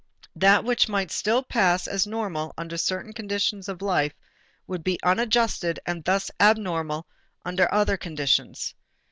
That which might still pass as normal under certain conditions of life would be unadjusted and thus abnormal under other conditions.